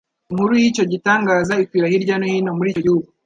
Inkuru y’icyo gitangaza ikwira hirya no hino mur’icyo gihugu,